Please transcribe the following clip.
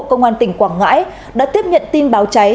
công an tỉnh quảng ngãi đã tiếp nhận tin báo cháy